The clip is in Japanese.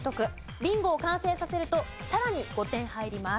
ビンゴを完成させるとさらに５点入ります。